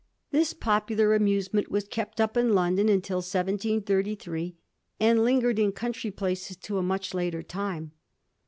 This popular amusement was kept up in London until 1733, and lingered in country places to a much later time.